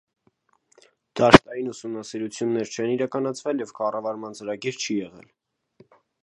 Դաշտային ուսումնասիրություններ չեն իրականացվել և կառավարման ծրագիր չի եղել։